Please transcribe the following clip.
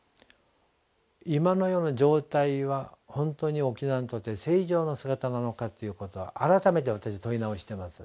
今のような状態は本当に沖縄にとって正常な姿なのかということを改めて私問い直してます。